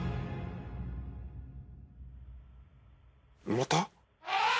また？